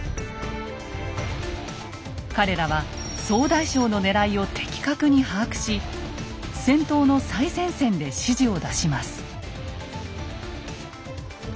彼らは総大将のねらいを的確に把握し戦闘の最前線で指示を出します。